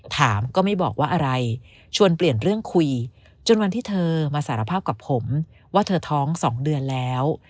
ก็ไม่บอกว่าอะไรชวนเปลี่ยนเรื่องคุยจนวันที่เธอมาสารภาพกับผมว่าเธอท้อง๒เดือนแล้ว